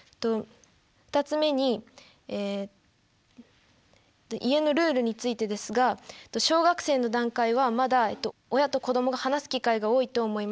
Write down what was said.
２つ目にえ家のルールについてですが小学生の段階はまだ親と子供が話す機会が多いと思います。